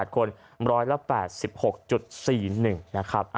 ๓๕๒๖๘คน๑๘๖๔๑นะครับ